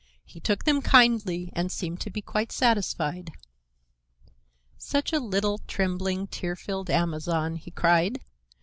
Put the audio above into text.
He took them kindly and seemed to be quite satisfied. "Such a little, trembling, tear filled Amazon!" he cried.